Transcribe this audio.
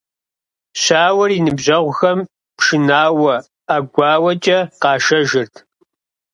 Щауэр и ныбжьэгъухэм пшынауэ, ӀэгуауэкӀэ къашэжырт.